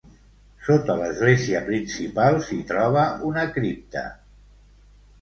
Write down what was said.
Sota l'església principal s'hi troba una cripta.